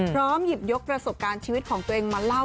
พร้อมหยิบยกประสบการณ์ชีวิตของตัวเองมาเล่า